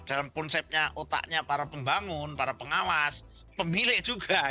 dalam konsepnya otaknya para pembangun para pengawas pemilik juga itu yang bayar